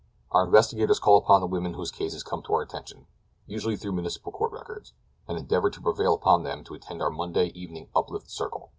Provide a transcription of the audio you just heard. "Our investigators call upon the women whose cases come to our attention—usually through Municipal Court records—and endeavor to prevail upon them to attend our Monday evening Uplift Circle.